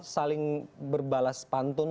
saling berbalas pantun